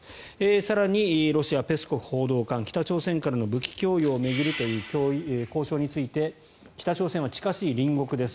更に、ロシアのペスコフ報道官北朝鮮からの武器供与を巡る交渉について北朝鮮は近しい隣国です